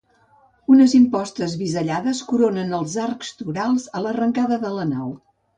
Unes impostes bisellades coronen els arcs torals, a l'arrencada de la nau.